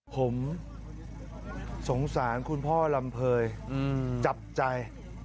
ผมสงสารคุณพ่อลำเภยจับใจ